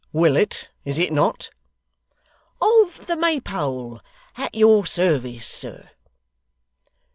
'Willet is it not?' 'Of the Maypole at your service, sir.